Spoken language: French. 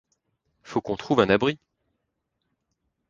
Faut qu’on trouve un abri !